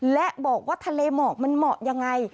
และบอกว่าทะเลหมอกมันเหมาะยังไง